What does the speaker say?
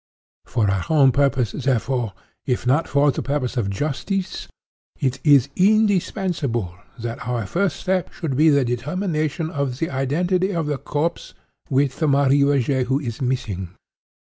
For our own purpose, therefore, if not for the purpose of justice, it is indispensable that our first step should be the determination of the identity of the corpse with the Marie Rogêt who is missing.